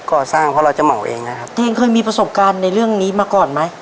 ก่อสร้างเพราะเราจะเหมาเองนะครับตัวเองเคยมีประสบการณ์ในเรื่องนี้มาก่อนไหม